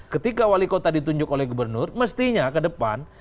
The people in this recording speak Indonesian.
ketika wali kota ditunjuk oleh gubernur mestinya ke depan